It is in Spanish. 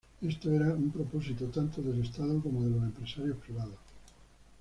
Éste era un propósito tanto del Estado como de los empresarios privados.